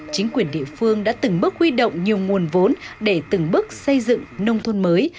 chính quyền địa phương đã từng bước huy động nhiều nguồn vốn để từng bước xây dựng nông thôn mới